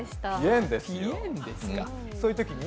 そういうときに？